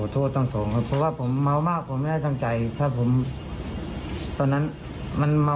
ตอนนั้นมันเม้าเหนิดหนักเลยครับพอขอโทษแุ้ม